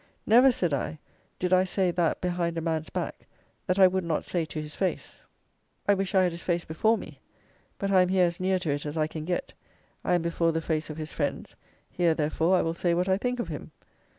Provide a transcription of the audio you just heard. "Never," said I, "did I say that behind a man's back that I would not say to his face. I wish I had his face before me: but I am here as near to it as I can get: I am before the face of his friends: here, therefore, I will say what I think of him."